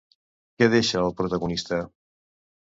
Qui deixa al protagonista?